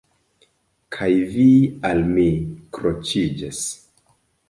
Kaj vi al mi kroĉiĝas.